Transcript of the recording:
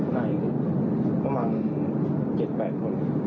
ไม่ค่อยมาเกือบเจ็บแปดคน